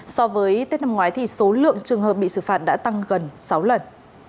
so với tết năm ngoái thì số lượng trường hợp bị xử phạt đã tăng gần sáu lần